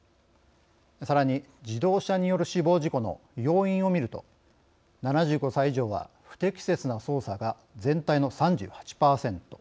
さらに、自動車による死亡事故の要因を見ると７５歳以上は「不適切な操作」が全体の３８％。